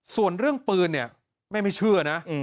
ส่วนเรื่องปืนเนี่ยแม่ไม่เชื่อนะ